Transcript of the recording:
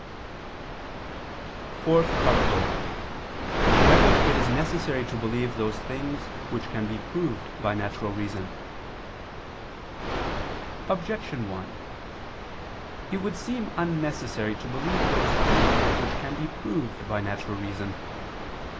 _______________________ FOURTH ARTICLE [II II, Q. 2, Art. 4] Whether It Is Necessary to Believe Those Things Which Can Be Proved by Natural Reason? Objection 1: It would seem unnecessary to believe those things which can be proved by natural reason.